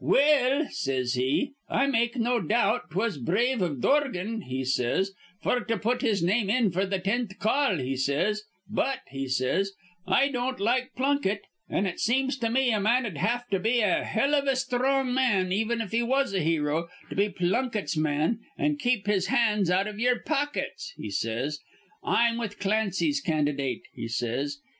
'Well,' says he, 'I make no doubt 'twas brave iv Dorgan,' he says, 'f'r to put his name in f'r th' tenth call,' he says; 'but,' he says, 'I don't like Plunkett, an' it seems to me a man'd have to be a hell iv a sthrong man, even if he was a hero, to be Plunkett's man, an' keep his hands out iv ye'er pockets,' he says. 'I'm with Clancy's candydate,' he says.